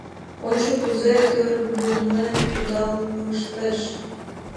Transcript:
Ончо, кузе тӧргымлен кудалыштеш.